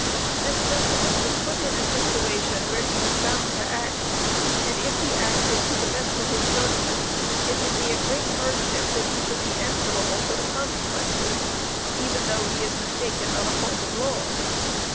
_This gentleman was put in a situation where he was bound to act; and if he acted to the best of his judgment it would be a great hardship that he should be answerable for the consequences, even though he is mistaken in a point of law.